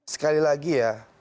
sekali lagi ya